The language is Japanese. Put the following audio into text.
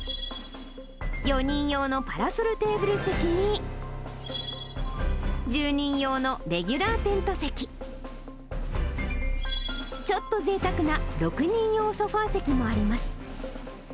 ４人用のパラソルテーブル席に、１０人用のレギュラーテント席、ちょっとぜいたくな６人用ソファー席もあります。